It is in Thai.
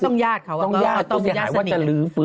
ต้องยาดเสียหายว่าจะลื้อฟื้นหรือเปล่า